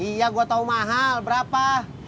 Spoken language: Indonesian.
iya gue tahu mahal berapa